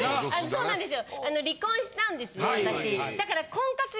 そうなんです。